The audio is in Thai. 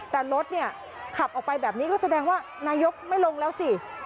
แต่รถเนี่ยขับออกไปแบบนี้ก็แสดงว่านายกไม่ลงแล้วสิ